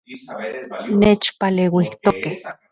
Nechpaleuijtokej